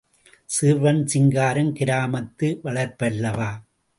சிறுவன் சிங்காரம் கிராமத்து வளர்ப்பல்லவா!